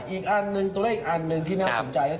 อีกอันหนึ่งตัวเลขอีกอันหนึ่งที่น่าสนใจก็คือ